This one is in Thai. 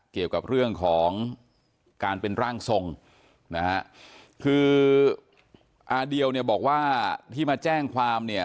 เกี่ยวกับเรื่องของการเป็นร่างทรงนะฮะคืออาเดียวเนี่ยบอกว่าที่มาแจ้งความเนี่ย